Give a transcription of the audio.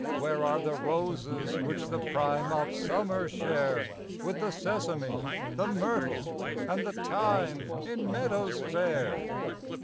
where are the roses which the prime Of summer share With the sesame, the myrtle and the thyme In meadow's fair?